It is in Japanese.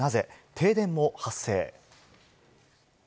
停電も発生。